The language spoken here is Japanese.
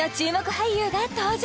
俳優が登場